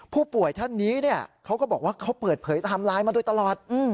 ผู้ป่วยท่านนี้เขาก็บอกว่าเขาเปิดเผยไทม์ไลน์มาโดยตลอด